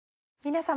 皆様。